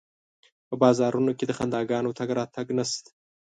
په بازارونو کې د خنداګانو تګ راتګ نشته